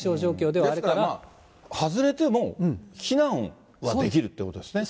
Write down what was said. ですから、外れても、避難はできるってことですね。